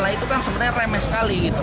nah itu kan sebenarnya remeh sekali gitu